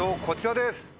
こちらです。